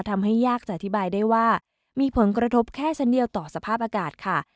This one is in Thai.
ยากจะอธิบายได้ว่ามีผลกระทบแค่ชั้นเดียวต่อสภาพอากาศค่ะ